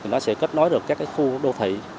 nó sẽ kết nối được các khu đô thị